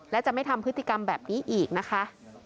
และจะไม่ทำพฤติกรรมแบบนี้อีกนะคะ